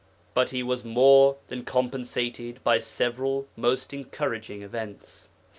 But he was more than compensated by several most encouraging events.